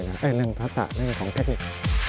เอ่อเรื่องธรรมศาสตร์เรื่องของเทคนิค